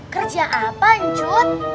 kerja apa encut